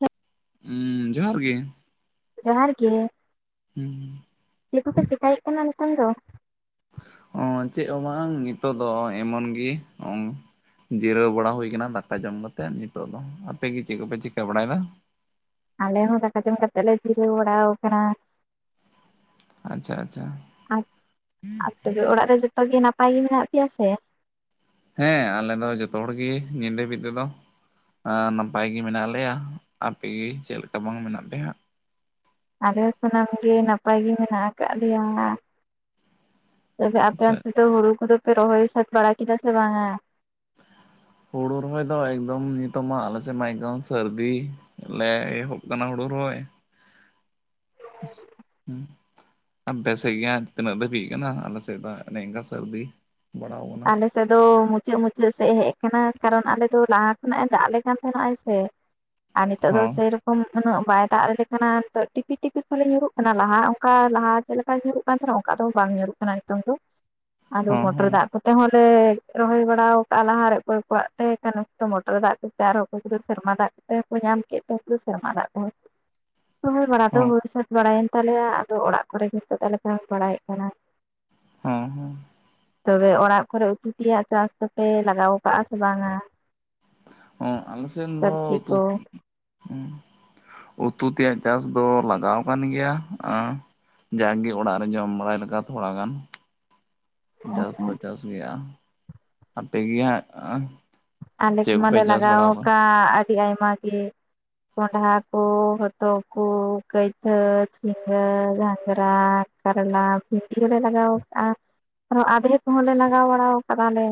ᱦᱮᱸ ᱦᱩᱸ ᱡᱚᱦᱟᱨ ᱜᱮ ᱡᱚᱦᱟᱨ ᱜᱮ ᱦᱩᱸ ᱪᱮᱫ ᱠᱚᱯᱮ ᱪᱮᱠᱟᱭᱮᱫ ᱛᱟᱦᱮᱱᱟ ᱱᱤᱛᱚᱝ ᱫᱚ? ᱚ ᱪᱮᱫ ᱦᱚᱸ ᱵᱟᱝ ᱱᱤᱛᱚᱜ ᱫᱚ ᱮᱢᱚᱱ ᱜᱮ ᱡᱤᱨᱟᱹᱣ ᱵᱟᱲᱟ ᱦᱩᱭ ᱠᱟᱱᱟ ᱫᱟᱠᱟ ᱡᱚᱢ ᱠᱟᱛᱮᱫ ᱱᱤᱛᱚᱜ ᱫᱚ ᱟᱯᱮ ᱜᱮ ᱪᱮᱫ ᱠᱚᱯᱮ ᱪᱤᱠᱟᱹ ᱵᱟᱲᱟᱭ ᱮᱫᱟ? ᱟᱞᱮ ᱦᱚᱸ ᱫᱟᱠᱟ ᱡᱚᱢ ᱠᱟᱛᱮ ᱞᱮ ᱡᱤᱨᱟᱹᱣ ᱵᱟᱲᱟᱣ ᱟᱠᱟᱱᱟ᱾ ᱟᱪᱪᱷᱟ ᱟᱪᱪᱷᱟ ᱟᱨ ᱛᱚᱵᱮ [inaudible] ᱚᱲᱟᱜ ᱨᱮ ᱡᱚᱛᱚ ᱜᱮ ᱱᱟᱯᱟᱭ ᱜᱮ ᱢᱮᱱᱟᱜ ᱯᱮᱭᱟ ᱥᱮ? ᱦᱮᱸ ᱟᱞᱮ ᱫᱚ ᱡᱚᱛᱚ ᱦᱚᱲ ᱜᱮ ᱱᱤᱫ ᱫᱷᱟᱵᱤᱡ ᱛᱮᱫᱚ᱾ ᱟᱨ ᱱᱟᱯᱟᱭ ᱜᱮ ᱢᱮᱱᱟᱜ ᱞᱮᱭᱟ ᱟᱯᱮᱜᱮ ᱪᱮᱫ ᱞᱮᱠᱟ ᱵᱟᱝ ᱢᱮᱱᱟᱜ ᱯᱮᱭᱟ? ᱟᱞᱮ ᱦᱚᱸ ᱥᱟᱱᱟᱢ ᱜᱮ ᱱᱟᱯᱟᱭ ᱜᱮ ᱢᱮᱱᱟᱜ ᱟᱠᱟᱫ ᱞᱮᱭᱟ ᱛᱚᱵᱮ ᱟᱯᱮ ᱟᱪᱪᱷᱟ ᱚᱱᱛᱮ ᱫᱚ ᱦᱩᱲᱩ ᱠᱚᱫᱚ ᱯᱮ ᱨᱚᱦᱚᱭ ᱥᱟᱛ ᱵᱟᱲᱟ ᱠᱮᱫᱟ ᱥᱮ ᱵᱟᱝ-ᱟ? [inaudible] ᱦᱩᱲᱩ ᱨᱚᱦᱚᱭ ᱫᱚ ᱮᱠᱫᱚᱢ ᱱᱤᱛᱚᱜ ᱢᱟ ᱟᱞᱮ ᱥᱮᱫ ᱢᱟ ᱮᱠᱚᱢ ᱥᱟᱹᱨᱫᱤ ᱞᱮ ᱮᱦᱚᱵ ᱠᱟᱱᱟ ᱦᱩᱲᱩ ᱨᱚᱦᱚᱭ᱾ [unintelligible] ᱦᱩᱸ ᱟᱯᱮ ᱥᱮᱫ ᱜᱮ ᱛᱤᱱᱟᱹᱜ ᱫᱟᱹᱵᱤᱡ ᱠᱟᱱᱟ ᱟᱞᱮ ᱥᱮᱫ ᱫᱚ ᱚᱱᱮ ᱚᱱᱠᱟ ᱥᱟᱹᱨᱫᱤ ᱵᱟᱲᱟᱣ ᱠᱟᱱᱟ᱾ ᱱᱚᱛᱮ ᱫᱚ ᱢᱩᱪᱟᱹᱫ ᱢᱩᱪᱟᱹᱫ ᱥᱮ ᱦᱮᱡ ᱠᱟᱱᱟ ᱠᱟᱨᱚᱱ ᱟᱞᱮ ᱫᱚ ᱞᱟᱦᱟ ᱠᱷᱚᱱᱟᱜ ᱫᱟᱜ ᱟᱞᱮ ᱠᱟᱱ ᱛᱟᱦᱮᱱᱚᱜ ᱟᱭ ᱥᱮ ᱟᱨ ᱱᱤᱛᱚᱜ ᱫᱚ ᱦᱚᱸ ᱥᱮᱨᱮ ᱠᱚᱢ ᱩᱱᱟᱹᱜ ᱵᱟᱭ ᱫᱟᱜ ᱟᱞᱮ ᱠᱟᱱᱟ ᱱᱤᱛᱚᱜ ᱴᱤᱯᱤ ᱴᱤᱯᱤ ᱯᱷᱞᱤ ᱧᱩᱨᱩᱜ ᱠᱟᱱᱟ ᱞᱟᱦᱟ ᱚᱱᱠᱟ ᱞᱟᱦᱟ ᱪᱮᱫ ᱞᱮᱠᱟ ᱧᱩᱨᱩᱜ ᱠᱟᱱ ᱛᱟᱦᱮᱱᱟ ᱚᱱᱠᱟ ᱫᱚ ᱵᱟᱝ ᱧᱩᱨᱩᱜ ᱠᱟᱱᱟ ᱱᱤᱛᱚᱝ ᱫᱚ ᱟᱫᱚ ᱦᱚᱸ ᱢᱚᱴᱚᱨ ᱦᱚᱸ ᱫᱟᱜ ᱠᱚ ᱛᱮᱦᱚᱞᱮ ᱨᱚᱦᱚᱭ ᱵᱟᱲᱟ ᱠᱟᱜ-ᱟ ᱞᱟᱦᱟᱨᱮ ᱚᱠᱚ ᱠᱚᱣᱟᱜ ᱛᱮ ᱩᱱᱠᱩ ᱫᱚ ᱢᱚᱴᱚᱨ ᱫᱟᱜ ᱠᱚ ᱛᱮᱭᱟᱨᱦᱟᱜ-ᱟ ᱩᱱᱠᱩ ᱫᱚ ᱥᱮᱨᱢᱟ ᱫᱟᱜ ᱛᱮᱦᱚᱸ ᱠᱚ ᱧᱟᱢ ᱠᱮᱫ ᱛᱮ ᱫᱚ ᱥᱮᱨᱢᱟ ᱫᱟᱜ ᱛᱮᱦᱚᱸ ᱥᱚᱭ ᱵᱟᱲᱟ ᱫᱚ ᱦᱚᱸ ᱦᱩᱭ ᱥᱟᱹᱛ ᱵᱟᱲᱟᱭᱮᱱ ᱛᱟᱞᱮᱭᱟ ᱟᱫᱚ ᱚᱲᱟᱜ ᱠᱚᱨᱮᱜᱮ ᱱᱤᱛᱚᱜ ᱞᱮ ᱵᱟᱲᱟᱭᱮᱫ ᱠᱟᱱᱟ ᱦᱮᱸ ᱦᱮᱸ ᱛᱚᱵᱮ ᱚᱲᱟᱜ ᱠᱚᱨᱮᱜ ᱩᱛᱩ ᱛᱮᱭᱟᱜ ᱪᱟᱥ ᱫᱚᱯᱮ ᱞᱟᱜᱟᱣ ᱠᱟᱜ-ᱟ ᱥᱮ ᱵᱟᱝ ᱟ? ᱚᱸ ᱟᱞᱮ ᱥᱮᱱ ᱫᱚ ᱩᱛᱩ ᱩᱸ ᱩᱛᱩ ᱛᱮᱭᱟᱜ ᱪᱟᱥ ᱫᱚ ᱞᱟᱜᱟᱣ ᱠᱟᱱ ᱜᱮᱭᱟ ᱟ, ᱡᱟᱜᱮ ᱚᱲᱟᱜ ᱨᱮ ᱡᱚᱢ ᱵᱟᱲᱟᱭ ᱞᱮᱠᱟ ᱛᱷᱚᱲᱟ ᱜᱟᱱ᱾ ᱪᱟᱥ ᱫᱚ ᱪᱟᱥ ᱜᱮᱭᱟ, ᱟᱯᱮ ᱜᱮ ᱦᱟᱸᱜ ᱼᱟ? ᱟᱞᱮ ᱠᱚᱢᱟᱞᱮ ᱞᱟᱜᱟᱣ ᱠᱟᱜ ᱟᱹᱰᱤ ᱟᱭᱢᱟ ᱜᱮ᱾ ᱠᱚᱱᱰᱦᱟ ᱠᱚ ᱦᱚᱛᱚᱜ ᱠᱚ ᱠᱟᱹᱭᱫᱟᱹ ᱡᱷᱤᱧᱸᱜᱟᱹ ᱜᱷᱟᱧᱜᱽᱨᱟ ᱟᱨ ᱚᱱᱟ ᱵᱤᱱᱰᱤ ᱦᱚᱸᱞᱮ ᱞᱟᱜᱟᱣ ᱠᱟᱜᱼᱟ᱾ ᱟᱨ ᱟᱫᱷᱮ ᱠᱚᱦᱚᱸ ᱞᱮ ᱞᱟᱜᱟᱣ ᱵᱟᱲᱟ ᱠᱟᱫᱟᱞᱮ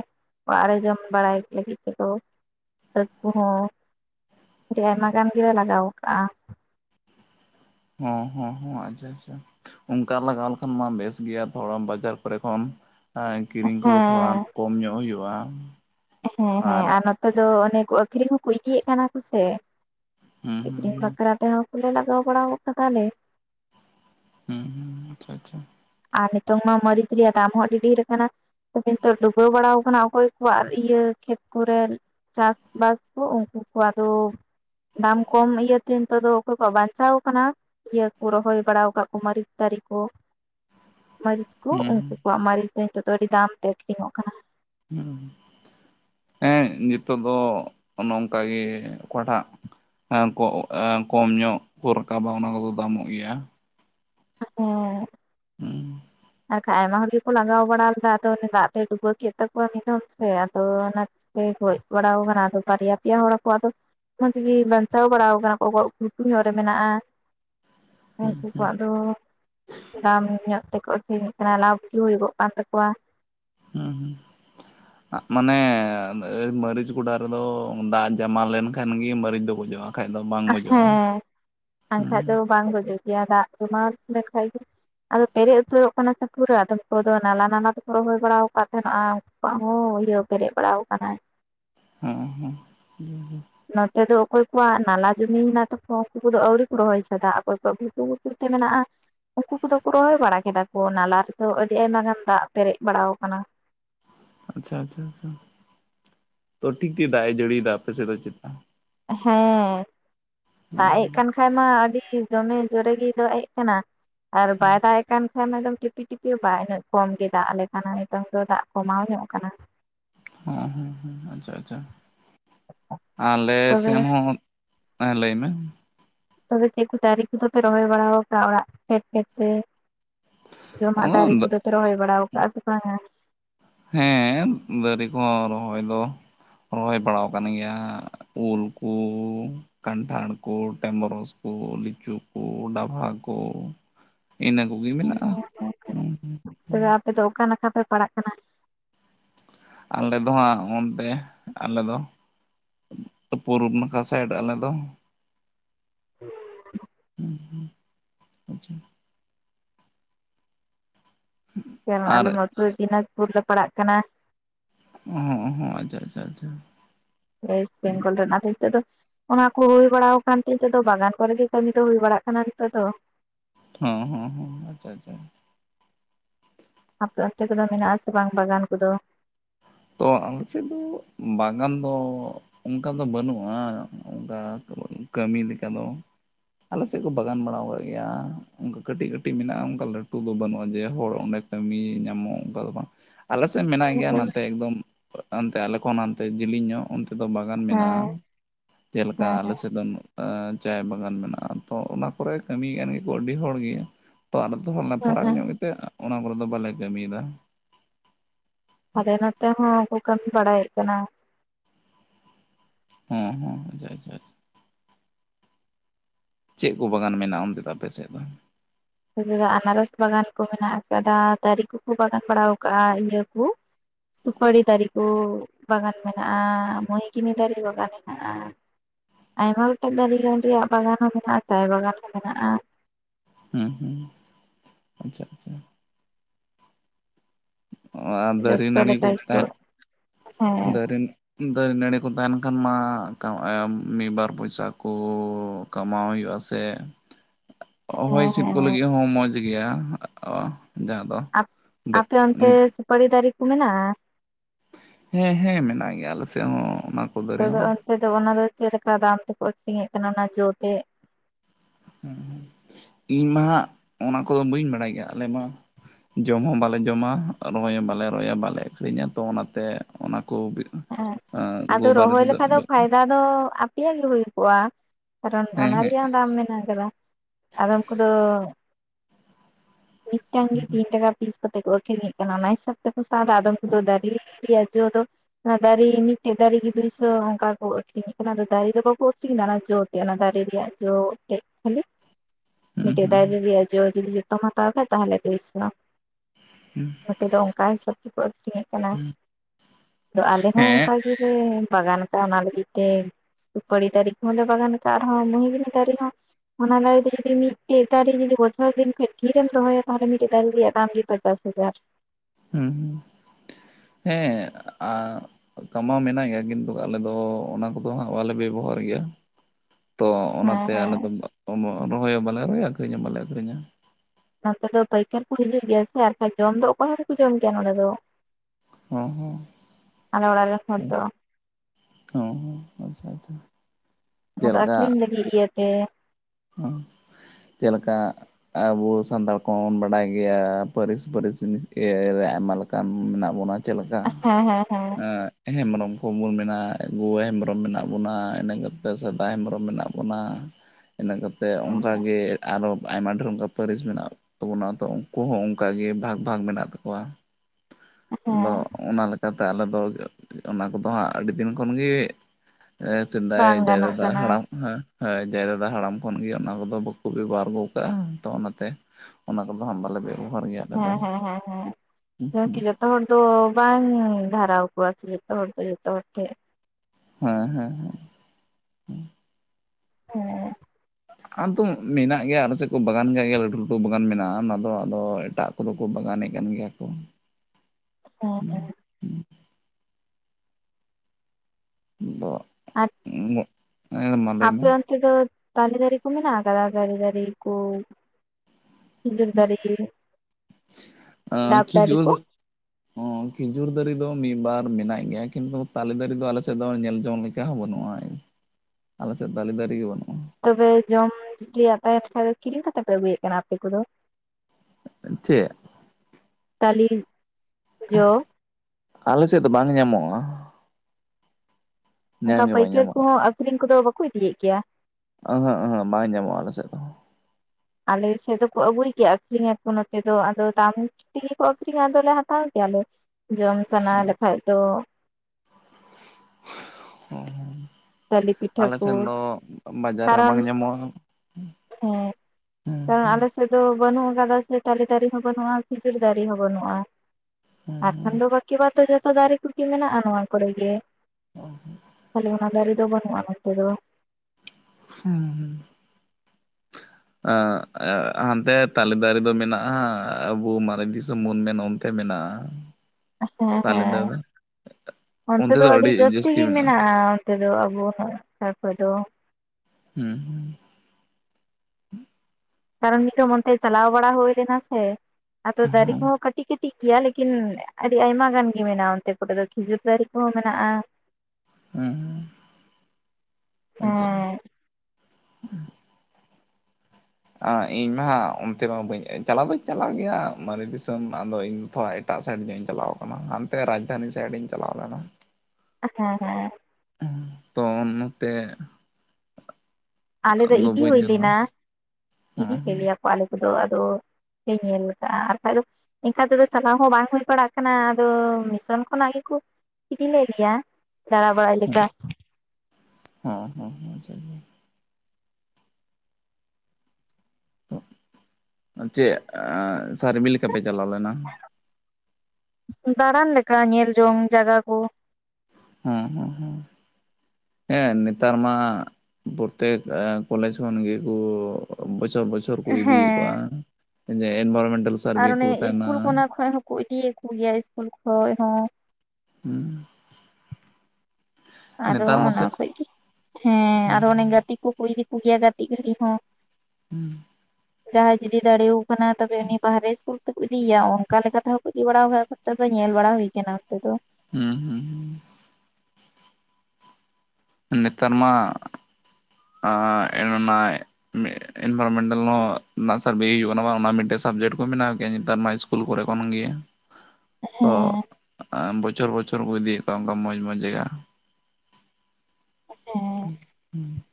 ᱚᱲᱟᱜ ᱨᱮ ᱡᱚᱢ ᱵᱟᱲᱟᱭ ᱞᱟᱹᱜᱤᱫ᱾ [unintelligible] ᱫᱚ ᱦᱟᱹᱠᱩ ᱦᱚᱸ ᱟᱹᱰᱤ ᱟᱭᱢᱟ ᱜᱟᱱ ᱜᱮᱞᱮ ᱞᱟᱜᱟᱣ ᱠᱟᱜᱼᱟ᱾ ᱦᱚᱸ ᱦᱚᱸ ᱦᱚᱸ ᱟᱪᱪᱷᱟ ᱟᱪᱪᱷᱟ᱾ ᱚᱱᱠᱟ ᱞᱟᱜᱟᱣ ᱞᱮᱠᱷᱟᱱ ᱢᱟ ᱵᱮᱥ ᱜᱮᱭᱟ ᱛᱷᱚᱲᱟ ᱵᱟᱡᱟᱨ ᱠᱚᱨᱮ ᱠᱷᱚᱱ ᱟᱨ ᱠᱤᱨᱤᱧ ᱠᱚ ᱛᱷᱚᱲᱟ ᱦᱮᱸ ᱠᱚᱢ ᱧᱚᱜ ᱦᱩᱭᱩᱜ-ᱟ᱾ ᱦᱮᱸ ᱦᱮᱸ ᱟᱨ ᱱᱚᱛᱮ ᱫᱚ ᱚᱱᱮ ᱟᱹᱠᱷᱨᱤᱧ ᱦᱚᱸᱠᱚ ᱤᱫᱤᱭᱮᱜ ᱠᱟᱱᱟ ᱠᱚᱥᱮ, ᱦᱩᱸ ᱦᱩᱸ ᱟᱠᱷᱨᱤᱧ ᱵᱟᱠᱷᱨᱟ ᱛᱮᱦᱚᱸ ᱠᱚ ᱞᱟᱜᱟᱣ ᱵᱟᱲᱟᱣ ᱠᱟᱫᱟᱞᱮ ᱦᱩᱸ ᱦᱩᱸ ᱟᱪᱪᱷᱟ ᱟᱪᱪᱷᱟ᱾ ᱟᱨ ᱱᱤᱛᱚᱝ ᱢᱟ ᱢᱟᱹᱨᱤᱪ ᱨᱮᱭᱟᱜ ᱫᱟᱢ ᱦᱚᱸ ᱟᱹᱰᱤ ᱰᱷᱤᱨ ᱠᱟᱱᱟ ᱛᱚᱵᱮ ᱱᱤᱛᱚᱜ ᱰᱩᱵᱟᱹᱣ ᱵᱟᱲᱟᱣ ᱠᱟᱱᱟ ᱚᱠᱚᱭ ᱠᱚᱣᱟᱜ ᱤᱭᱟᱹ ᱠᱷᱮᱛ ᱠᱚᱨᱮ ᱪᱟᱥᱵᱟᱥ ᱠᱚ ᱩᱱᱠᱩ ᱠᱚᱣᱟᱜ ᱫᱚ ᱫᱟᱢ ᱠᱚᱢ ᱤᱭᱟᱹᱛᱮ ᱱᱤᱛᱚᱜ ᱫᱚ ᱚᱠᱚᱭ ᱠᱚᱣᱟᱜ ᱵᱟᱧᱪᱟᱣ ᱠᱟᱱᱟ ᱤᱭᱟᱹ ᱠᱚ ᱨᱚᱦᱚᱭ ᱵᱟᱲᱟ ᱠᱟᱜ ᱠᱚ ᱢᱟᱹᱨᱤᱪ ᱫᱟᱨᱮ ᱠᱚ᱾ ᱢᱟᱹᱨᱤᱪ ᱠᱚ ᱦᱩᱸ ᱦᱩᱸ ᱩᱱᱠᱩ ᱠᱚᱣᱟᱜ ᱢᱟᱹᱨᱤᱪ ᱫᱚ ᱱᱤᱛᱚᱜ ᱫᱚ ᱟᱹᱰᱤ ᱫᱟᱢ ᱛᱮ ᱟᱹᱠᱷᱨᱤᱧᱚᱜ ᱠᱟᱱᱟ᱾ ᱦᱩᱸ ᱦᱩᱸ, ᱮᱸ ᱱᱤᱛᱚᱜ ᱫᱚ ᱚᱱᱚᱝᱠᱟ ᱜᱮ ᱚᱠᱟᱴᱟᱜ ᱟᱸ ᱠᱚᱸ ᱟᱸ ᱠᱚᱢ ᱧᱚᱜ ᱠᱚ ᱨᱟᱠᱟᱵᱟ ᱚᱱᱟ ᱠᱚᱫᱚ ᱫᱟᱢᱚᱜ ᱜᱮᱭᱟ᱾ ᱟᱠᱚ ᱦᱚᱸ ᱦᱩᱸ ᱟᱨ ᱠᱷᱟᱭ ᱟᱭᱢᱟ ᱦᱚᱲ ᱜᱮᱠᱚ ᱞᱟᱜᱟᱣ ᱵᱟᱲᱟ ᱞᱮᱫᱟ ᱟᱫᱚ ᱩᱱᱤ ᱫᱟᱜᱽ ᱛᱮᱭ ᱰᱩᱵᱟᱹ ᱠᱮᱫ ᱛᱟᱠᱚᱣᱟ ᱢᱤᱫ ᱫᱚᱢ ᱥᱮ ᱟᱫᱚ ᱚᱱᱟ ᱛᱮ ᱜᱚᱡ ᱵᱟᱲᱟᱣ ᱠᱟᱱᱟ ᱟᱫᱚ ᱯᱟᱨᱭᱟ ᱯᱮᱭᱟ ᱦᱚᱲ ᱠᱚᱣᱟᱜ ᱫᱚ ᱢᱚᱡᱽ ᱜᱮ ᱵᱟᱧᱪᱟᱣ ᱵᱟᱲᱟᱣ ᱠᱟᱱᱟ ᱠᱚ ᱟᱠᱚᱣᱟᱜ ᱠᱷᱩᱴᱩ ᱧᱚᱜ ᱨᱮ ᱢᱮᱱᱟᱜ-ᱟ᱾ ᱦᱩᱸ ᱩᱱᱠᱩ ᱠᱚᱣᱟᱜ ᱫᱚ ᱫᱟᱢ ᱧᱚᱜ ᱛᱮᱠᱚ ᱟᱹᱠᱷ ᱨᱤᱧᱮᱜ ᱠᱟᱱᱟ ᱞᱟᱵᱷ ᱜᱮ ᱦᱩᱭᱩᱜᱚᱜ ᱠᱟᱱ ᱛᱟᱠᱚᱣᱟ᱾ ᱦᱩᱸ ᱦᱩᱸ᱾ ᱢᱟᱱᱮ ᱢᱟᱹᱨᱤᱪ ᱜᱚᱰᱟ ᱨᱮᱫᱚ ᱫᱟᱜᱽ ᱡᱟᱢᱟ ᱞᱮᱱᱠᱷᱟᱱ ᱜᱮ ᱢᱟᱹᱨᱤᱪ ᱫᱚ ᱜᱚᱡᱚᱜ-ᱟ᱾ ᱟᱦᱮᱸ ᱟᱝᱠᱷᱟᱡ ᱫᱚ ᱦᱩᱸ ᱵᱟᱝ ᱜᱩᱡᱩᱜ ᱜᱮᱭᱟ ᱫᱟᱜᱽ ᱡᱚᱢᱟᱣ ᱞᱮᱱᱠᱷᱟᱭ ᱜᱮ᱾ ᱟᱫᱚ ᱯᱮᱨᱮᱡ ᱩᱛᱟᱹᱨᱚᱜ ᱠᱟᱱᱟ ᱛᱚ ᱯᱩᱨᱟᱹᱣ ᱟᱫᱚᱢ ᱠᱚᱫᱚ ᱱᱟᱞᱟ ᱱᱟᱞᱟ ᱫᱚᱠᱚ ᱨᱚᱦᱚᱭ ᱵᱟᱲᱟ ᱠᱟᱫ ᱛᱟᱦᱮᱸᱱᱚᱜ-ᱟ᱾ ᱵᱟᱝ ᱦᱚᱸ ᱤᱭᱟᱹ ᱯᱮᱨᱮᱡ ᱵᱟᱲᱟᱣ ᱠᱟᱱᱟᱭ ᱦᱩᱸ ᱦᱩᱸ, ᱦᱩᱸ ᱦᱩᱸ ᱱᱚᱛᱮ ᱫᱚ ᱚᱠᱚᱭ ᱠᱩᱣᱟᱜ ᱱᱟᱞᱟ ᱡᱚᱢᱤ ᱦᱮᱱᱟᱜ ᱛᱟᱠᱚᱣᱟ ᱩᱱᱠᱩ ᱠᱚᱫᱚ ᱟᱣᱨᱤ ᱠᱩ ᱨᱚᱦᱚᱭ ᱥᱟᱹᱛᱟ ᱚᱠᱚᱭ ᱠᱚᱣᱟᱜ ᱜᱷᱩᱴᱩ ᱜᱷᱩᱴᱩᱛᱮ ᱢᱮᱱᱟᱜ-ᱟ ᱩᱱᱠᱩ ᱠᱩᱫᱚ ᱠᱚ ᱨᱚᱦᱚᱭ ᱵᱟᱲᱟ ᱠᱮᱫᱟ ᱠᱚ ᱱᱟᱞᱟ ᱨᱮᱫᱚ ᱟᱹᱰᱤ ᱟᱭᱢᱟ ᱜᱟᱱ ᱫᱟᱜᱽ ᱯᱮᱨᱮᱡ ᱵᱟᱲᱟᱣ ᱠᱟᱱᱟ᱾ ᱟᱪᱪᱷᱟ ᱟᱪᱪᱷᱟ ᱟᱪᱪᱷᱟ, ᱛᱚ ᱴᱷᱤᱠ ᱜᱮ ᱫᱟᱜᱽ ᱮ ᱡᱟᱹᱲᱤᱭᱮᱫᱟ ᱟᱯᱮ ᱥᱮᱜ ᱫᱚ ᱪᱮᱛᱟ? ᱦᱮᱸ ᱫᱟᱜᱽ ᱦᱮᱸ ᱮᱜ ᱠᱟᱱ ᱠᱷᱟᱭ ᱢᱟ ᱟᱹᱰᱤ ᱫᱚᱢᱮ ᱡᱳᱨᱮ ᱜᱮᱭ ᱫᱟᱜᱽ ᱮᱜ ᱠᱟᱱᱟ ᱟᱨ ᱵᱟᱭ ᱫᱟᱜᱽ ᱮᱜ ᱠᱟᱱ ᱠᱷᱟᱭ ᱦᱮᱸ ᱮᱠᱫᱚᱢ ᱴᱤᱯᱤ ᱴᱤᱯᱤ ᱵᱟᱝ ᱤᱱᱟᱹᱜ ᱠᱚᱢᱜᱮ ᱫᱟᱜᱽ ᱟᱞᱮ ᱠᱟᱱᱟ ᱱᱤᱛᱚᱝ ᱫᱚ ᱫᱟᱜᱽ ᱠᱚᱢᱟᱣ ᱧᱚᱜ ᱠᱟᱱᱟ᱾ ᱦᱩᱸ ᱦᱩᱸᱦᱩᱸ ᱟᱪᱪᱷᱟ ᱟᱪᱪᱷᱟ. ᱟᱞᱮ ᱛᱚᱵᱮ ᱥᱮᱱ ᱦᱚᱸ ᱦᱮᱸ ᱞᱟᱹᱭ ᱢᱮ? ᱛᱚᱵᱮ ᱪᱤᱫ ᱠᱚ ᱫᱟᱨᱮ ᱠᱚᱫᱚ ᱯᱮ ᱨᱚᱦᱚᱭ ᱵᱟᱲᱟ ᱟᱠᱟᱫ ᱚᱲᱟᱜ ᱯᱷᱰ ᱯᱷᱰ ᱛᱮ? ᱚ ᱡᱚᱢᱟᱜ ᱫᱟᱨᱮ ᱠᱚᱫᱚ ᱯᱮ ᱨᱚᱦᱚᱭ ᱵᱟᱲᱟᱣ ᱠᱟᱜ ᱥᱮ ᱵᱟᱝᱟ? ᱦᱮᱸ ᱫᱟᱨᱮ ᱠᱚᱦᱚᱸ ᱨᱚᱦᱚᱭ ᱫᱚ ᱨᱚᱦᱚᱭ ᱵᱟᱲᱟᱣ ᱠᱟᱱ ᱜᱮᱭᱟ ᱩᱞ ᱠᱩ ᱠᱟᱱᱴᱷᱟᱲ ᱠᱩᱲ ᱴᱮᱢᱨᱚᱥ ᱠᱩ ᱞᱤᱪᱩ ᱠᱩ ᱰᱟᱵᱷᱟ ᱠᱩ ᱤᱱᱟᱹ ᱠᱩᱜᱤ [inaudible] ᱛᱚᱵᱮ ᱟᱯᱮ ᱫᱚ ᱚᱠᱟ ᱱᱟᱠᱷᱟ ᱯᱮ ᱯᱟᱲᱟᱜ ᱠᱟᱱᱟ? ᱟᱞᱮ ᱫᱚ ᱦᱟᱸᱜ ᱚᱱᱛᱮ ᱟᱞᱮ ᱫᱚ ᱯᱩᱨᱩᱵ ᱱᱟᱠᱷᱟ ᱥᱟᱭᱮᱰ ᱟᱞᱮ ᱫᱚ [inaudible] ᱟᱪᱪᱷᱟ ᱥᱮᱢᱟ ᱟᱨ ᱟᱞᱮ ᱢᱟ ᱩᱛᱛᱚᱨ ᱫᱤᱱᱟᱡᱽᱯᱩᱨ ᱞᱮ ᱯᱟᱲᱟᱜ ᱠᱟᱱᱟ ᱚᱦᱚ ᱦᱚ ᱟᱪᱪᱷᱟ ᱟᱪᱪᱷᱟ ᱟᱪᱪᱷᱟ ᱚᱭᱮᱥᱴ ᱵᱮᱝᱜᱚᱞ ᱨᱮᱱᱟᱜ ᱦᱳᱭᱛᱳ ᱟᱫᱚ ᱚᱱᱟ ᱠᱩ ᱦᱩᱭ ᱵᱟᱲᱟᱣ ᱠᱟᱱᱛᱮ ᱱᱤᱛᱳᱜ ᱫᱚ ᱵᱟᱜᱟᱱ ᱠᱚᱨᱮ ᱜᱮ ᱠᱟᱹᱢᱤ ᱫᱚ ᱦᱩᱭ ᱵᱟᱲᱟᱜ ᱠᱟᱱᱟ ᱱᱤᱛᱳᱜ ᱫᱚ᱾ ᱦᱚ ᱦᱚ ᱦᱚ ᱟᱪᱪᱷᱟ ᱟᱪᱪᱷᱟ ᱟᱯᱮ ᱚᱱᱛᱮ ᱠᱚᱫᱚ ᱢᱮᱱᱟᱜ ᱟ ᱥᱮ ᱵᱟᱝ ᱵᱟᱜᱟᱱ ᱠᱚᱫᱚ? ᱛᱚ ᱟᱞᱮ ᱥᱮᱫ ᱫᱚ ᱵᱟᱜᱟᱱ ᱫᱚ ᱚᱝᱠᱟ ᱫᱚ ᱵᱟᱹᱱᱩᱜ-ᱟ ᱚᱝᱠᱟ ᱠᱟᱹᱢᱤ ᱞᱮᱠᱟ ᱫᱚ ᱟᱞᱮ ᱥᱮᱜ ᱠᱚ ᱵᱟᱜᱟᱱ ᱵᱟᱲᱟᱣ ᱠᱟᱜ ᱜᱮᱭᱟ ᱚᱱᱠᱟ ᱠᱟᱹᱴᱤᱡ ᱠᱟᱹᱴᱤᱡ ᱢᱮᱱᱟᱜ-ᱟ ᱚᱱᱠᱟ ᱞᱟᱹᱴᱩ ᱫᱚ ᱵᱟᱹᱱᱩᱜ-ᱟ ᱡᱮ ᱦᱚᱲ ᱚᱱᱰᱮᱠ ᱠᱟᱹᱢᱤᱭ ᱧᱟᱢᱚᱜ ᱚᱝᱠᱟ ᱫᱚ ᱵᱟᱝ ᱟᱞᱮ ᱥᱮᱫ ᱢᱮᱱᱟᱜ ᱜᱮᱭᱟ ᱦᱮᱸ ᱱᱟᱱᱛᱮ ᱮᱠᱫᱚᱢ ᱦᱟᱱᱛᱮ ᱟᱞᱮ ᱠᱚ ᱦᱟᱱᱛᱮ ᱡᱤᱞᱤᱧ ᱧᱚᱜ ᱚᱱᱛ ᱛᱮ ᱫᱚ ᱵᱟᱜᱟᱱ ᱢᱮᱱᱟᱜ-ᱟ ᱡᱮᱞᱮᱠᱟ ᱦᱮᱸ ᱟᱞᱮ ᱥᱮᱫ ᱫᱚ ᱟ ᱪᱟᱭ ᱵᱟᱜᱟᱱ ᱢᱤᱱᱟᱜ-ᱟ ᱛᱚ ᱚᱱᱟ ᱠᱚᱨᱮ ᱠᱟᱹᱢᱤᱭ ᱠᱟᱱ ᱜᱮᱠᱚ ᱟᱹᱰᱤ ᱦᱚᱲ ᱜᱮ ᱛᱚ ᱟᱞᱮ ᱫᱚ ᱦᱟᱸᱜ ᱠᱮ ᱦᱮᱸ ᱯᱷᱟᱨᱟᱠ ᱦᱮᱸ ᱧᱚᱜ ᱜᱮᱛᱮ ᱚᱱᱟ ᱠᱚᱨᱮ ᱫᱚ ᱵᱟᱞᱮ ᱠᱟᱹᱢᱤᱭᱮᱫᱟ ᱟᱫᱚ ᱱᱚᱛᱮ ᱦᱚᱸ ᱩᱱᱠᱩ ᱠᱟᱹᱢᱤ ᱵᱟᱲᱟᱭᱮᱜ ᱠᱟᱱᱟ ᱦᱩᱸ ᱦᱩᱸ ᱟᱪᱷᱟ ᱪᱷᱟ ᱪᱷᱟ ᱪᱮᱜ ᱠᱩ ᱵᱟᱜᱟᱱ ᱢᱮᱱᱟᱜ-ᱟ ᱚᱱᱛᱮ ᱫᱚ ᱟᱯᱮ ᱥᱮᱜ ᱫᱚ? ᱱᱚᱛᱮ ᱫᱚ ᱟᱱᱟᱨᱚᱥ ᱵᱟᱜᱟᱱ ᱠᱚ ᱢᱮᱱᱟᱜ ᱟᱠᱟᱫᱟ ᱫᱟᱨᱤ ᱠᱚᱠᱚ ᱵᱟᱜᱟᱱ ᱵᱟᱲᱟᱣ ᱠᱟᱜ-ᱟ ᱤᱭᱟᱹ ᱠᱩ ᱥᱩᱯᱟᱹᱲᱤ ᱫᱟᱨᱤ ᱠᱩ ᱵᱟᱜᱟᱱ ᱢᱤᱱᱟᱜ-ᱟ ᱢᱚᱭᱠᱤᱢᱤ ᱫᱟᱨᱮ ᱵᱟᱜᱟᱱ ᱢᱮᱱᱟᱜ-ᱟ᱾ ᱟᱭᱢᱟ ᱜᱚᱴᱟᱡ ᱫᱟᱨᱤ ᱜᱮ ᱚᱴᱮ ᱵᱟᱜᱟᱱ ᱦᱚᱸ ᱢᱮᱱᱟᱜ-ᱟ ᱵᱟᱜᱟᱱ ᱦᱚᱸ ᱢᱮᱱᱟᱜ-ᱟ ᱦᱩᱸ ᱦᱩᱸ ᱟᱪᱷᱟ ᱟᱪᱷᱟ ᱚ ᱟ ᱫᱟᱨᱤ ᱡᱚᱛᱚ ᱱᱟᱹᱲᱤ ᱞᱮᱠᱟ ᱠᱚ ᱜᱮᱠᱚ ᱛᱟᱦᱮᱸᱫ ᱦᱮᱸ ᱫᱟᱨᱤᱱ ᱫᱟᱨᱮ ᱱᱟᱹᱲᱤ ᱠᱚ ᱛᱟᱦᱮᱱ ᱠᱷᱟᱱ ᱢᱟ ᱠᱟᱢ ᱟᱢ ᱢᱤᱫ ᱵᱟᱨ ᱯᱚᱭᱥᱟ ᱠᱩᱻ ᱠᱟᱢᱟᱣ ᱦᱩᱭᱩᱜ-ᱟ ᱥᱮ ᱦᱚᱭ ᱦᱮᱸ ᱦᱤᱸᱥᱤᱫ ᱦᱮᱸ ᱠᱚ ᱞᱟᱹᱜᱤᱫ ᱦᱚᱸ ᱢᱚᱡᱽ ᱜᱮᱭᱟ ᱡᱟᱛ ᱟᱯ ᱟᱯᱮ ᱚᱱᱛᱮ ᱥᱩᱯᱟᱲᱤ ᱫᱟᱨᱤ ᱠᱩ ᱢᱮᱱᱟᱜ-ᱟ? ᱦᱮᱸ ᱦᱮᱸ ᱢᱮᱱᱟᱜ ᱜᱮᱭᱟ ᱟᱞᱮ ᱥᱮᱜ ᱦᱚᱸ ᱚᱱᱟ ᱠᱚ ᱫᱟᱨᱮ ᱛᱚᱵᱮ ᱦᱚᱸ ᱚᱱᱛᱮ ᱫᱚ ᱚᱱᱟ ᱫᱚ ᱪᱮᱫ ᱞᱮᱠᱟ ᱫᱟᱢ ᱛᱮᱠᱚ ᱟᱠᱷᱨᱤᱧᱜᱫ ᱠᱟᱱᱟ ᱚᱱᱟ ᱡᱚ ᱛᱮ? ᱦᱩᱸ ᱤᱧ ᱢᱟ ᱦᱟᱸᱜ ᱚᱱᱟ ᱠᱚᱫᱚ ᱵᱟᱹᱧ ᱵᱟᱲᱟᱭ ᱜᱤᱭᱟ ᱟᱞᱮ ᱢᱟ ᱡᱚᱢ ᱦᱚᱸ ᱵᱟᱞᱮ ᱡᱚᱢᱟ ᱟᱨ ᱨᱚᱦᱚᱭ ᱦᱚᱸ ᱵᱟᱞᱮ ᱨᱚᱦᱚᱭᱟ ᱵᱟᱞᱮ ᱟᱹᱠᱷᱨᱤᱧᱟ ᱛᱚ ᱚᱱᱟᱛᱮ ᱚᱱᱟᱠᱚ ᱵᱤ ᱟᱨ ᱟᱫᱚ ᱨᱚᱦᱚᱭ ᱞᱮᱠᱷᱟᱡ ᱫᱚ ᱯᱷᱟᱭᱫᱟ ᱫᱚ ᱟᱯᱮᱭᱟᱜ ᱜᱮ ᱦᱩᱭᱠᱚᱜ-ᱟ ᱠᱟᱨᱚᱱ ᱦᱮᱸ ᱚᱱᱟ ᱦᱮᱸ ᱨᱮᱭᱟᱜ ᱦᱚ ᱫᱟᱢ ᱢᱮᱱᱟᱜ ᱠᱟᱫᱟ᱾ ᱟᱫᱚᱢ ᱠᱩᱫᱚ ᱢᱤᱫᱴᱟᱝ ᱜᱤ ᱛᱤᱱ ᱴᱟᱠᱟ ᱵᱤᱥ ᱠᱟᱛᱮᱜ ᱠᱚ ᱟᱹᱠᱷᱨᱤᱧᱮᱜ ᱠᱟᱱᱟ ᱚᱱᱟ ᱦᱤᱥᱟᱹᱵ ᱛᱮᱠᱚ ᱥᱟᱵᱟ ᱟᱫᱚᱢ ᱠᱚᱫᱚ ᱫᱟᱨᱤ ᱨᱤᱭᱟᱜ ᱡᱚ ᱫᱚ ᱚᱱᱟ ᱫᱟᱨᱤ ᱢᱤᱫᱴᱮᱡ ᱫᱟᱨᱤ ᱜᱤ ᱫᱩᱭᱥᱚ ᱩᱱᱠᱟ ᱠᱚ ᱟᱹᱷᱨᱤᱧᱮᱜ ᱠᱟᱱᱟ ᱟᱫᱚ ᱫᱟᱨᱮ ᱫᱚ ᱵᱟᱠᱚ ᱟᱹᱷᱨᱤᱧᱫᱟ ᱚᱱᱟ ᱡᱚ᱾ ᱛᱮᱫ ᱚᱱᱟ ᱫᱟᱨᱮ ᱨᱤᱭᱟᱜ ᱡᱚ ᱛᱮᱫ ᱠᱷᱟᱹᱞᱤ᱾ ᱦᱮᱸ ᱢᱤᱫᱴᱮᱡ ᱫᱟᱨᱮ ᱦᱮᱸ ᱮᱨᱤᱭᱟ ᱡᱚ ᱡᱩᱫᱤ ᱡᱷᱚᱛᱚᱢ ᱦᱟᱛᱟᱣ ᱠᱷᱟᱡ ᱛᱟᱦᱟᱞᱮ ᱫᱩᱭᱥᱚ᱾ ᱱᱚᱛᱮ ᱫᱚ ᱚᱱᱠᱟ ᱦᱤᱥᱟᱹᱵ ᱛᱮᱠᱚ ᱟᱹᱠᱷᱨᱤᱧᱮᱜ ᱠᱟᱱᱟ᱾ ᱟᱫᱚ ᱟᱞᱮ ᱦᱚᱸ ᱦᱮᱸ ᱚᱱᱠᱟ ᱜᱤᱞᱮ ᱵᱟᱜᱟᱱ ᱠᱟᱜᱼᱟ ᱚᱱᱟ ᱞᱟᱹᱜᱤᱫ ᱛᱮ ᱥᱩᱯᱟᱹᱲᱤ ᱫᱟᱨᱮ ᱠᱚᱦᱚᱸᱞᱮ ᱵᱟᱜᱟᱱ ᱠᱟᱜ-ᱟ ᱟᱨᱦᱚᱸ ᱢᱤᱦᱚᱜᱤᱱᱤ ᱫᱟᱨᱮ ᱦᱚᱸ᱾ ᱚᱱᱟ ᱫᱟᱨᱮ ᱨᱮ ᱡᱩᱫᱤ ᱢᱤᱫᱴᱮᱡ ᱫᱟᱨᱮ ᱡᱩᱫᱤ ᱵᱚᱪᱷᱚᱨ ᱫᱤᱱ ᱠᱷᱚᱡ ᱠᱷᱤᱨᱮᱢ ᱫᱚᱦᱚᱭᱟ ᱛᱟᱦᱚᱞᱮ ᱢᱤᱫᱴᱮᱡ ᱫᱟᱨᱮ ᱨᱤᱭᱟᱜ ᱫᱟᱢ ᱜᱮ ᱯᱟᱪᱟᱥ ᱦᱟᱡᱟᱨ᱾ ᱦᱩᱸ, ᱦᱮᱸ ᱟ ᱠᱟᱢᱟᱣ ᱢᱮᱱᱟᱜ ᱜᱮᱭᱟ ᱠᱤᱱᱛᱩ ᱟᱞᱮ ᱫᱚ ᱚᱱᱟ ᱠᱚᱫᱚ ᱦᱟᱸᱜ ᱵᱟᱞᱮ ᱵᱮᱵᱚᱦᱟᱨ ᱜᱤᱭᱟ᱾ ᱛᱚ ᱦᱮᱸ ᱚᱱᱟᱛᱮ ᱦᱮᱸ ᱟᱞᱮᱫᱚ ᱨᱚᱦᱚᱭ ᱦᱚᱸ ᱵᱟᱞᱮ ᱨᱚᱦᱚᱭᱟ ᱟᱹᱠᱷᱨᱤᱧ ᱦᱚᱸ ᱵᱟᱞᱮ ᱟᱹᱠᱷᱨᱤᱧᱟ᱾ ᱱᱚᱱᱛᱮ ᱫᱚ ᱯᱟᱹᱭᱠᱟᱹᱨ ᱠᱩ ᱦᱤᱡᱩᱜ ᱜᱮᱭᱟ ᱥᱮ ᱟᱨᱠᱷᱟᱡ ᱡᱚᱢ ᱫᱚ ᱚᱠᱚᱭ ᱦᱚᱸ ᱵᱟᱠᱚ ᱡᱚᱢ ᱜᱮᱭᱟ ᱱᱚᱸᱰᱮ ᱫᱚ᱾ ᱦᱚᱸ ᱦᱚᱸ ᱟᱞᱮ ᱚᱲᱟᱜ ᱨᱮᱱ ᱦᱚᱲ ᱦᱩᱸ, ᱫᱚ ᱦᱚᱸ ᱦᱚᱸ ᱟᱪᱪᱷᱟ ᱟᱪᱪᱷᱟ᱾ ᱚᱱᱟᱫᱚ ᱟᱠᱷᱨᱤᱧ ᱞᱟᱹᱜᱤᱫ ᱤᱭᱟᱹ ᱛᱮ᱾ ᱦᱚᱸ ᱡᱮᱞᱮᱠᱟ ᱟᱵᱚ ᱥᱟᱱᱛᱟᱲ ᱠᱚᱦᱚᱸ ᱵᱚᱱ ᱵᱟᱰᱟᱭ ᱜᱮᱭᱟ ᱯᱟᱹᱨᱤᱥ ᱯᱟᱹᱨᱤᱥ [inaudible] ᱨᱮ ᱟᱭᱢᱟ ᱞᱮᱠᱟᱱ ᱢᱮᱱᱟᱜ ᱵᱚᱱᱟ᱾ ᱪᱮᱫ ᱞᱮᱠᱟ ᱦᱮᱸ ᱦᱮᱸ ᱦᱮᱸ ᱮᱸ ᱦᱮᱢᱵᱨᱚᱢ ᱠᱚ ᱵᱩᱱ ᱢᱮᱱᱟ [inaudible] ᱦᱮᱢᱵᱨᱚᱢ ᱢᱮᱱᱟᱜ ᱵᱚᱱᱟ ᱤᱱᱟᱹ ᱠᱟᱛᱮᱜ ᱥᱟᱫᱟ ᱦᱮᱢᱵᱨᱚᱢ ᱢᱮᱱᱟᱜ ᱵᱚᱱᱟ᱾ ᱤᱱᱟᱹ ᱠᱟᱛᱮᱫ ᱦᱮᱸ ᱚᱱᱠᱟ ᱜᱮ ᱟᱨᱚ ᱟᱭᱢᱟ ᱰᱷᱮᱨ ᱩᱱᱠᱟ ᱯᱟᱹᱨᱤᱥ ᱢᱮᱱᱟᱜ ᱛᱟᱵᱚᱱᱟ ᱛᱚ ᱩᱱᱠᱩ ᱦᱚᱸ ᱚᱱᱠᱟ ᱜᱮ ᱵᱷᱟᱜᱽ ᱵᱷᱟᱜᱽ ᱢᱮᱱᱟᱜ ᱛᱟᱠᱚᱣᱟ᱾ ᱟᱫᱚ ᱚᱱᱟ ᱞᱮᱠᱟᱛᱮ ᱟᱞᱮ ᱫᱚ ᱚᱱᱟ ᱠᱚᱫᱚ ᱦᱟᱸᱜ ᱟᱹᱰᱤ ᱫᱤᱱ ᱠᱷᱚᱱ ᱜᱮ ᱮᱸ ᱵᱟᱝ ᱥᱮᱫᱟᱭ [unintelligible] ᱜᱟᱱᱚᱜ ᱦᱟᱲᱟᱢ ᱠᱟᱱᱟ [inaudible] ᱫᱟ ᱦᱟᱲᱟᱢ ᱠᱷᱚᱱ ᱜᱮ ᱚᱱᱟ ᱠᱚᱫᱚ ᱵᱟᱠᱚ ᱵᱮᱵᱚᱦᱟᱨ ᱟᱹᱜᱩ ᱠᱟᱜᱼᱟ ᱛᱚ ᱚᱱᱟᱛᱮ ᱚᱱᱟ ᱠᱚᱫᱚ ᱦᱟᱸᱜ ᱵᱟᱞᱮ ᱵᱮᱵ ᱦᱮᱸ ᱦᱮᱸ ᱦᱮᱸ ᱦᱮᱸ [inaudible] ᱛᱚ ᱦᱚᱲ ᱫᱚ ᱵᱟᱝ ᱫᱷᱟᱨᱟᱣ ᱠᱚᱣᱟ ᱥᱮ ᱡᱷᱚᱛᱚ ᱦᱚᱲ ᱫᱚ ᱡᱷᱚᱛᱚ ᱦᱚᱲ ᱴᱷᱮᱡ᱾ ᱦᱮᱸ ᱦᱮᱸ ᱦᱮᱸ᱾ ᱦᱮᱸ᱾ ᱟᱫᱚ ᱢᱮᱱᱟᱜ ᱜᱮᱭᱟ ᱟᱞᱮ ᱥᱮᱫ ᱠᱚ ᱵᱟᱜᱟᱱ ᱠᱟᱜ ᱜᱮᱭᱟ ᱞᱟᱹᱴᱩ ᱞᱟᱹᱴᱩ ᱵᱟᱜᱟᱱ ᱢᱮᱱᱟᱜᱼᱟ ᱚᱱᱟ ᱫᱚ ᱟᱫᱚ ᱮᱴᱟᱜ ᱠᱚᱫᱚ ᱠᱚ ᱵᱟᱜᱟᱱᱮᱜ ᱠᱟᱱ ᱜᱮᱭᱟ ᱠᱚ᱾ ᱦᱮᱸ ᱦᱮᱸ᱾ ᱟᱨ [inaudible] ᱦᱮᱸ ᱢᱟ ᱞᱟᱹᱭ ᱢᱮ ᱟᱯᱮ ᱚᱱᱛᱮ ᱫᱚ ᱛᱟᱞᱮ ᱫᱟᱨᱮ ᱠᱚ ᱢᱮᱱᱟᱜ ᱟᱠᱟᱫᱟ ᱛᱟᱞᱮ ᱫᱟᱨᱮ ᱠᱚ? ᱠᱷᱤᱡᱩᱨ ᱫᱟᱨᱮ᱾ ᱟᱸ ᱰᱟᱵ ᱫᱟᱨᱮ ᱠᱷᱤᱡᱩᱨ ᱠᱚ [inaudible] ᱚᱸ ᱠᱷᱤᱡᱩᱨ ᱫᱟᱹᱨᱮ ᱫᱚ ᱢᱤᱫ ᱵᱟᱨ ᱢᱮᱱᱟᱜ ᱜᱤᱭᱟ ᱠᱤᱱᱛᱩ ᱛᱟᱞᱤ ᱫᱟᱨᱮ ᱫᱚ ᱟᱞᱮ ᱥᱮᱜ ᱫᱚ ᱧᱮᱞ ᱡᱚᱝ ᱞᱮᱠᱟ ᱦᱚᱸ ᱵᱟᱹᱱᱩᱜᱼᱟ᱾ ᱟᱞᱮ ᱥᱮᱫ ᱛᱟᱞᱮ ᱫᱟᱨᱮ ᱜᱮ ᱵᱟᱹᱱᱩᱜᱼᱟ᱾ ᱛᱚᱵᱮ ᱡᱚᱢ ᱨᱤᱭᱟᱜ ᱛᱟᱦᱮᱱ ᱠᱷᱟᱡ ᱫᱚ ᱠᱤᱨᱤᱧ ᱠᱟᱛᱮ ᱯᱮ ᱟᱹᱜᱩᱭᱮᱜ ᱠᱟᱱᱟ ᱟᱯᱮ ᱠᱚᱫᱚ? ᱪᱮᱫ? ᱛᱟᱞᱤ ᱡᱚ᱾ ᱟᱞᱮ ᱥᱮᱫ ᱫᱚ ᱵᱟᱝ ᱧᱟᱢᱚᱜᱼᱟ᱾ ᱚᱱᱠᱟ ᱧᱟᱢ ᱜᱮ ᱵᱟᱝ ᱯᱟᱹᱭᱠᱟᱹᱨ ᱧᱟᱢᱚᱜᱼᱟ ᱠᱚᱦᱚᱸ ᱟᱠᱷᱨᱤᱧ ᱠᱩᱫᱚ ᱵᱟᱠᱩ ᱤᱫᱤᱭᱮᱜ ᱜᱮᱭᱟ? ᱮᱸᱦᱮᱜ ᱮᱸᱦᱮᱜ ᱵᱟᱝ ᱧᱟᱢᱚᱜ-ᱟ ᱟᱞᱮ ᱥᱮᱫ ᱫᱚ᱾ ᱟᱞᱮ ᱥᱮᱫ ᱫᱚᱠᱚ ᱟᱹᱜᱩᱭ ᱜᱮᱭᱟ ᱟᱠᱷᱨᱤᱧᱟᱠᱚ ᱱᱚᱛᱮ ᱫᱚ ᱟᱫᱚ ᱫᱟᱢ ᱛᱤᱜᱤ ᱠᱚ ᱟᱹᱷᱨᱤᱧᱟ ᱟᱫᱚᱞᱮ ᱦᱟᱛᱟᱣ ᱠᱤᱭᱟᱞᱮ ᱡᱚᱢ ᱥᱟᱱᱟ ᱞᱮᱠᱟᱱᱡ ᱫᱚ᱾ ᱚ ᱛᱟᱞᱮ ᱯᱤᱴᱷᱟᱹ ᱟᱞᱮ ᱠᱚ ᱥᱮᱱ ᱫᱚ ᱵᱟᱡᱟᱨ ᱨᱮ ᱠᱟᱨᱚᱱ ᱵᱟᱝ ᱧᱟᱢᱚᱜ-ᱟ᱾ ᱦᱮᱸ [inaudible] ᱠᱟᱨᱚᱱ ᱟᱞᱮᱥᱮᱜ ᱫᱚ ᱵᱟᱹᱱᱩᱜ ᱠᱟᱫᱟ ᱥᱮ ᱛᱟᱞᱮ ᱫᱟᱨᱮ ᱦᱚᱸ ᱵᱟᱹᱱᱩᱜ-ᱟ ᱠᱷᱤᱡᱩᱨ ᱫᱟᱨᱮ ᱦᱚᱸ ᱵᱟᱹᱱᱩᱜ-ᱟ ᱾ ᱟᱨᱠᱷᱟᱱ ᱫᱚ ᱵᱟᱠᱤ ᱵᱟᱫ ᱫᱚ ᱡᱷᱚᱛᱚ ᱫᱟᱨᱮ ᱠᱚᱜᱮ ᱢᱮᱱᱟᱜ-ᱟ ᱱᱚᱣᱟ ᱠᱚᱨᱮ ᱜᱮ ᱠᱷᱟᱹᱞᱤ ᱚᱱᱟ ᱫᱟᱨᱮᱹ ᱫᱚ ᱵᱟᱹᱱᱩᱜ-ᱟ ᱱᱚᱛᱮ ᱫᱚ ᱦᱩᱸ ᱦᱩᱸ [unintelligible] ᱦᱟᱱᱛᱮ ᱛᱟᱞᱮ ᱫᱟᱨᱮ ᱫᱚ ᱢᱮᱱᱟᱜ-ᱟ ᱟᱵᱚ ᱢᱟᱨᱮ ᱫᱤᱥᱚᱢ ᱵᱚᱱ ᱢᱮᱱ ᱚᱱᱛᱮ ᱢᱮᱱᱟᱜ-ᱟ ᱦᱮᱸ ᱦᱮᱸ ᱚᱱᱛᱮ ᱫᱚ ᱟᱹᱰᱤ ᱡᱟᱹᱥᱛᱤ ᱜᱮ ᱢᱮᱱᱟᱜ-ᱟ ᱛᱮᱫᱚ ᱟᱵᱚ [inaudible] ᱠᱚ ᱫᱚ ᱩᱸᱻᱻ ᱠᱟᱨᱚᱱ ᱱᱤᱛᱚᱜ ᱦᱚᱸ ᱚᱱᱛᱮ ᱪᱟᱞᱟᱣ ᱵᱟᱲᱟ ᱦᱩᱭ ᱞᱮᱱᱟ ᱥᱮ ᱟᱫᱚ ᱫᱟᱨᱮ ᱦᱩᱸ ᱠᱚᱦᱚᱸ ᱠᱟᱹᱴᱤᱡ ᱠᱟᱹᱴᱤᱡ ᱜᱮᱭᱟ ᱞᱮᱠᱤᱱ ᱟᱹᱰᱤ ᱟᱭᱢᱟ ᱜᱟᱱ ᱜᱮ ᱢᱮᱱᱟᱜ-ᱟ ᱚᱱᱛᱮ ᱠᱚᱨᱮ ᱫᱚ ᱠᱷᱤᱡᱩᱨ ᱫᱟᱨᱮ ᱠᱚᱦᱚᱸ ᱢᱮᱱᱟᱜ-ᱟ ᱾ ᱦᱮᱸ ᱟᱪᱷᱟ ᱦᱮᱸ ᱤᱧ ᱢᱟ ᱦᱟᱸᱜ ᱚᱱᱛᱮ ᱢᱟ ᱵᱟᱹᱧ ᱪᱟᱞᱟᱣ ᱫᱚᱧ ᱪᱟᱞᱟᱣ ᱜᱮᱭᱟ ᱢᱟᱨᱮ ᱫᱤᱥᱚᱢ ᱟᱫᱚ ᱤᱧᱛᱚ ᱦᱟᱜ ᱮᱴᱟᱜ ᱥᱟᱭᱤᱰ ᱧᱚᱜ ᱤᱧ ᱪᱟᱞᱟᱣ ᱠᱟᱱᱟ ᱦᱟᱱᱛᱮ ᱨᱟᱡᱽᱫᱷᱟᱱᱤ ᱥᱟᱭᱤᱰ ᱤᱧ ᱪᱟᱞᱟᱣ ᱞᱮᱱᱟ᱾ ᱦᱮᱸ ᱦᱮ ᱩᱦ ᱛᱚ ᱱᱚᱛᱮ ᱟᱞᱮ ᱫᱚ ᱤᱫᱤ ᱵᱟᱹᱧ ᱦᱳᱭ ᱪᱟᱞᱟᱣᱟ ᱞᱮᱱᱟ, ᱦᱮᱸ ᱤᱫᱤ ᱠᱮᱜᱞᱮᱭᱟ ᱠᱚ ᱟᱞᱮ ᱠᱚᱫᱚ ᱟᱫᱚ ᱧᱮᱞ ᱠᱟᱜ-ᱟ ᱟᱨ ᱠᱷᱟᱡ ᱫᱚ ᱤᱱᱠᱟ ᱛᱮᱫᱚ ᱪᱟᱞᱟᱣ ᱦᱚᱸ ᱵᱟᱝ ᱦᱩᱭ ᱵᱟᱲᱟᱜ ᱠᱟᱱᱟ ᱟᱫᱚ ᱢᱤᱥᱚᱱ ᱠᱷᱚᱱᱟᱜ ᱜᱮ ᱠᱚ ᱤᱫᱤ ᱞᱮᱜ ᱞᱮᱭᱟ ᱫᱟᱬᱟ ᱵᱟᱲᱟᱭ ᱞᱮᱠᱟ ᱦᱚᱸ ᱦᱚᱸ ᱦᱚᱸ ᱟᱪᱷᱟ ᱪᱮᱫ ᱥᱟᱨᱵᱮ ᱞᱮᱠᱟ ᱯᱮ ᱪᱟᱞᱟᱣ ᱞᱮᱱᱟ? ᱫᱟᱬᱟᱱ ᱞᱮᱠᱟ ᱧᱮᱞ ᱡᱚᱝ ᱡᱟᱭᱜᱟ ᱠᱚ ᱦᱮᱸ ᱦᱮᱸ ᱦᱮᱸ ᱦᱮᱸ ᱱᱮᱛᱟᱨ ᱢᱟ! ᱚᱛᱚᱭᱮᱯ ᱠᱚᱞᱮᱡᱽ ᱠᱷᱚᱱ ᱜᱮᱠᱚ ᱵᱚᱪᱷᱚᱨ ᱵᱚᱪᱷᱚᱨ ᱪᱷᱚᱨ ᱠᱚ ᱤᱫᱤᱭᱮᱜ ᱠᱚᱣᱟ ᱦᱮᱸ ᱮᱱᱵᱷᱟᱨ ᱢᱮᱱᱴᱮᱞ ᱟᱨ ᱚᱱᱮ ᱤᱥᱠᱩᱞ ᱠᱷᱚᱱᱟᱜ ᱠᱷᱚᱡ ᱦᱚᱸᱠᱚ ᱤᱫᱤᱭᱮᱫ ᱠᱚᱜᱮᱭᱟ ᱤᱥᱠᱩᱞ ᱠᱷᱚᱡ ᱦᱚᱸ, ᱩᱸᱻ ᱟᱫᱚ ᱚᱱᱟ ᱠᱷᱚᱡ ᱜᱮ ᱦᱮᱸ ᱦᱩᱸ ᱟᱨᱚ ᱚᱱᱮ ᱜᱟᱛᱮ ᱠᱚ ᱠᱚ ᱤᱫᱤ ᱠᱚᱜᱮᱭᱟ ᱜᱟᱛᱮ ᱜᱷᱟᱹᱲᱤ ᱦᱚᱸ ᱦᱩᱸ ᱡᱟᱦᱟᱸᱭ ᱡᱩᱫᱤ ᱫᱟᱲᱮᱭᱟ ᱠᱟᱱᱟ ᱛᱚᱵᱮ ᱩᱱᱤ ᱵᱟᱦᱨᱮ ᱤᱥᱠᱩᱞ ᱛᱮᱠᱚ ᱤᱫᱤᱭᱟ ᱚᱱᱠᱟ ᱛᱮᱦᱚᱸᱠᱚ ᱤᱫᱤ ᱵᱟᱲᱟ ᱠᱟᱣ ᱛᱮ ᱫᱚ ᱧᱮᱞ ᱵᱟᱲᱟ ᱦᱩᱭ ᱠᱟᱱᱟ ᱚᱠᱛᱚ ᱫᱚ ᱦᱩᱸ ᱦᱩᱸ ᱦᱩᱸᱻᱻ ᱱᱮᱛᱟᱨ ᱢᱟ [inaudible] ᱤᱱᱵᱷᱟᱨᱢᱮᱱᱴᱟᱞ ᱦᱚᱸ ᱨᱮᱱᱟᱜ ᱥᱟᱨᱵᱷᱮ ᱦᱩᱭᱩᱜ-ᱟ ᱚᱱᱟ ᱢᱤᱫᱴᱮᱡ ᱥᱟᱵᱡᱮᱠᱴ ᱠᱚ ᱠᱮᱭᱟ ᱱᱮᱛᱟᱨ ᱢᱟ ᱩᱥ ᱥᱠᱩᱞ ᱠᱚᱨᱮ ᱠᱚ ᱮᱢ ᱜᱮᱭᱟ ᱛᱚ ᱦᱮᱸ ᱵᱚᱪᱷᱚᱨ ᱵᱚᱪᱷᱚᱨ ᱠᱚ ᱤᱫᱤᱭᱮᱜ ᱠᱚᱣᱟ ᱚᱱᱠᱟ ᱢᱚᱸᱡᱽ ᱢᱚᱸᱡ ᱡᱟᱭᱜᱟ ᱟᱪᱷᱟ ᱦᱮᱸ ᱩᱸ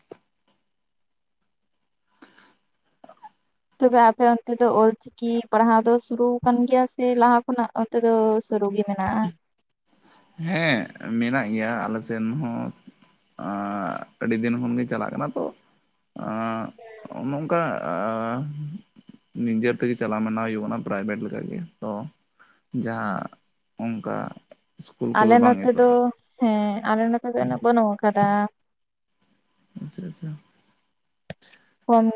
ᱪᱮᱫᱟᱜ ᱟᱯᱮ ᱚᱱᱛᱮ ᱫᱚ ᱚᱞ ᱪᱤᱠᱤ ᱠᱤ ᱯᱟᱲᱦᱟᱣ ᱫᱚ ᱥᱩᱨᱩ ᱠᱟᱱ ᱜᱮᱭᱟ ᱥᱮ ᱞᱟᱦᱟ ᱠᱷᱚᱱᱟᱜ ᱚᱱᱛᱮ ᱫᱚ ᱥᱩᱨᱩ ᱜᱮ ᱢᱮᱱᱟᱜ-ᱟ? ᱦᱮᱸ ᱢᱮᱱᱟᱜ ᱜᱮᱭᱟ ᱟᱞᱮ ᱥᱮᱱ ᱦᱚᱸ, ᱟᱹᱰᱤ ᱫᱤᱱ ᱠᱷᱚᱱ ᱜᱮ ᱪᱟᱞᱟᱜ ᱠᱟᱱᱟ ᱛᱚ ᱚ ᱚᱱᱚᱝᱠᱟ ᱱᱤᱡᱮᱨ ᱛᱮᱜᱮ ᱪᱟᱞᱟᱣ ᱢᱟᱱᱟᱣ ᱦᱩᱭᱩᱜ ᱯᱨᱟᱭᱵᱷᱮᱴ ᱞᱮᱠᱟᱜᱮ ᱛᱚ ᱡᱟᱦᱟᱸ ᱚᱱᱠᱟ ᱤᱥᱠᱩᱞ ᱟᱞᱮ ᱠᱚᱫᱚ ᱵᱟᱝ ᱱᱚᱛᱮ ᱫᱚ ᱮᱛᱚᱦᱚᱵ ᱦᱮᱸ ᱟᱞᱮ ᱱᱚᱛᱮ ᱫᱚ ᱩᱱᱟᱹᱜ ᱵᱟᱹᱱᱩᱜ ᱠᱟᱫᱟ ᱾ ᱟᱪᱪᱷᱟ ᱟᱪᱪᱷᱟ ᱠᱚᱢ